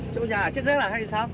châu ở nhà chết chết là hay sao